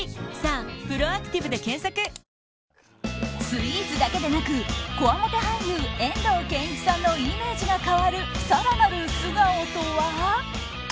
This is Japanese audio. スイーツだけでなくこわもて俳優・遠藤憲一さんのイメージが変わる更なる素顔とは？